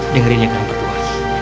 dengerin yang kalian berdua